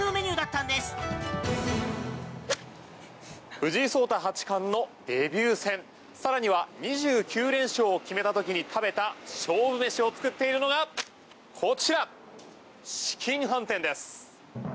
藤井聡太八冠のデビュー戦更に、２９連勝を決めた時に食べた勝負飯を作っているのがこちら、紫金飯店です。